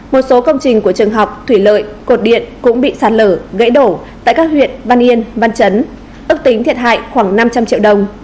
một số công trình của trường học thủy lợi cột điện cũng bị sạt lở gãy đổ tại các huyện văn yên văn chấn ước tính thiệt hại khoảng năm trăm linh triệu đồng